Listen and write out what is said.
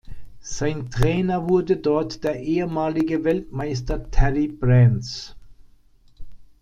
Sein Trainer wurde dort der ehemalige Weltmeister Terry Brands.